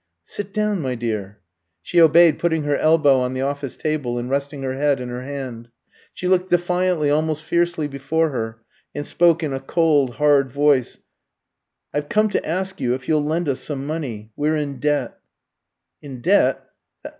"Sit down, my dear." She obeyed, putting her elbow on the office table and resting her head in her hand. She looked defiantly, almost fiercely, before her, and spoke in a cold, hard voice "I've come to ask you if you'll lend us some money. We're in debt " "In debt?